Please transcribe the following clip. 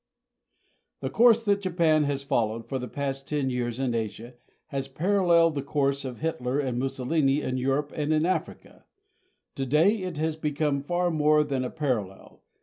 The course that Japan has followed for the past ten years in Asia has paralleled the course of Hitler and Mussolini in Europe and in Africa. Today, it has become far more than a parallel.